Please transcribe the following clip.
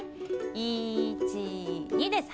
１２です。